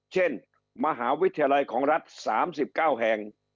เช่นมหาวิทยาลัยของรัฐ๓๙แห่ง